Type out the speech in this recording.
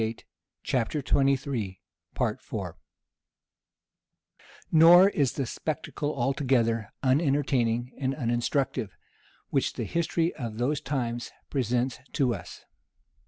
* See note U, at the end of the volume Nor is the spectacle altogether unentertaining and uninstructive, which the history of those times presents to us.